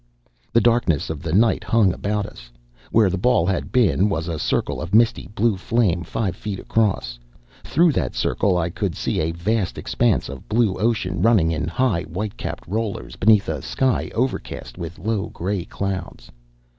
The darkness of the night hung about us. Where the ball had been was a circle of misty blue flame, five feet across. Through that circle I could see a vast expanse of blue ocean, running in high, white capped rollers, beneath a sky overcast with low gray clouds.